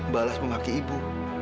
balas memaki ibu